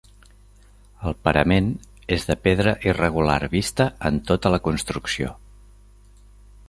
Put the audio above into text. El parament és de pedra irregular vista en tota la construcció.